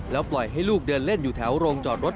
ปล่อยให้ลูกเดินเล่นอยู่แถวโรงจอดรถ